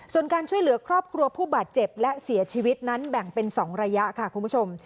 ส่วนการช่วยเหลือครอบครัวผู้บาดเจ็บและเสียชีวิตนั้นแบ่งเป็น๒ระยะค่ะคุณผู้ชม